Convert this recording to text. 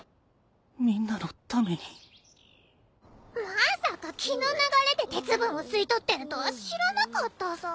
まさか気の流れで鉄分を吸い取ってるとは知らなかったさ。